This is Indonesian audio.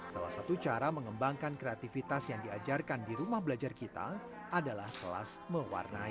salah satu cara mengembangkan kreativitas yang diajarkan di rumah belajar kita adalah kelas mewarnai